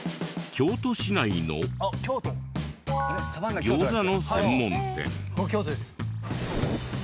京都市内のギョーザの専門店。